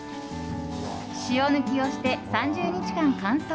塩抜きをして３０日間乾燥。